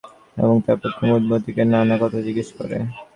এবং তারপর কুমুদ মতিকে নানা কথা জিজ্ঞাসা করে।